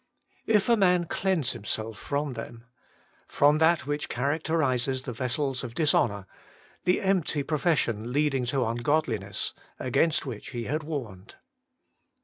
'// a man cleanse himself from them '— from that which characterises the vessels of dishonour — ^the empty profession leading to ungodliness, against which he had warned.